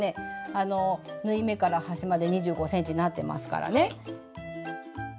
縫い目から端まで２５ｃｍなってますからね。